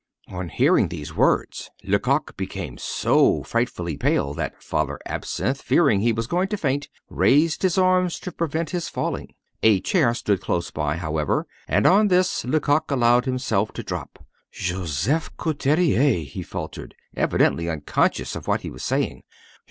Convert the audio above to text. On hearing these words, Lecoq became so frightfully pale that Father Absinthe, fearing he was going to faint, raised his arms to prevent his falling. A chair stood close by, however, and on this Lecoq allowed himself to drop. "Joseph Couturier," he faltered, evidently unconscious of what he was saying.